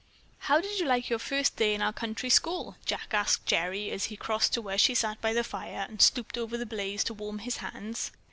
"How did you like your first day in our country school?" Jack asked Gerry as he crossed to where she sat by the fire and stooped over the blaze to warm his hands.